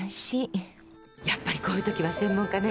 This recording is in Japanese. やっぱりこういうときは専門家ね。